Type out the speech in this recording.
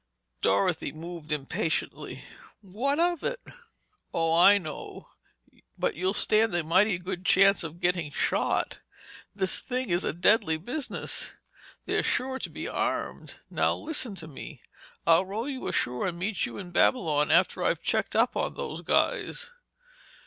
Dorothy moved impatiently. "What of it?" "Oh, I know—but you'll stand a mighty good chance of getting shot. This thing is a deadly business. They're sure to be armed. Now, listen to me. I'll row you ashore and meet you in Babylon after I've checked up on those guys."